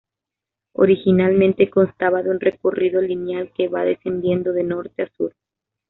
Originalmente constaba de un recorrido lineal, que va descendiendo de norte a sur.